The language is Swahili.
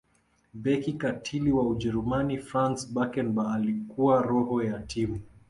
beki katili wa ujerumani franz beckenbauer alikuwa roho ya timu